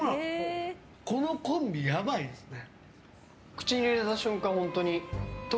このコンビ、やばいっすね。